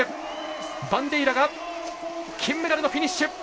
バンデイラが金メダルのフィニッシュ。